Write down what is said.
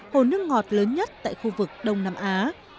hồ nước ngọt lớn nhất tại khu vực đông nam á